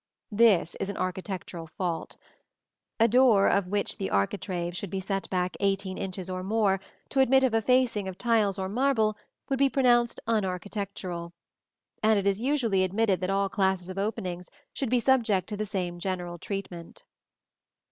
This is an architectural fault. A door of which the architrave should be set back eighteen inches or more to admit of a facing of tiles or marble would be pronounced unarchitectural; and it is usually admitted that all classes of openings should be subject to the same general treatment.